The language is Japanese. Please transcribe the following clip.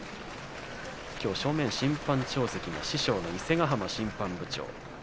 きょう正面審判長席が師匠の伊勢ヶ濱審判部長。